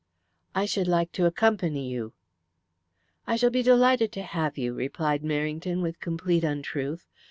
"I should like to accompany you." "I shall be delighted to have you," replied Merrington with complete untruth.